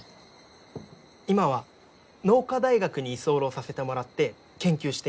今は農科大学に居候させてもらって研究しています。